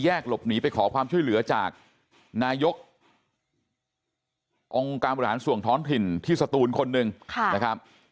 หลบหนีไปขอความช่วยเหลือจากนายกองค์การบริหารส่วนท้องถิ่นที่สตูนคนหนึ่งนะครับ